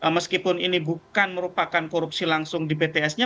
meskipun ini bukan merupakan korupsi langsung di pts nya